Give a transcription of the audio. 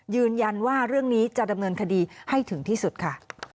ยืนยันว่าเรื่องนี้จะดำเนินคดีให้ถึงที่สุดค่ะ